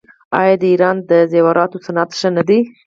آیا د ایران د زیوراتو صنعت ښه نه دی؟